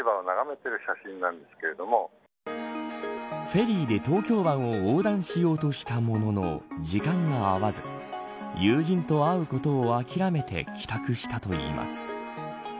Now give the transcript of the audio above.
フェリーで東京湾を横断しようとしたものの時間が合わず友人と会うことを諦めて帰宅したといいます。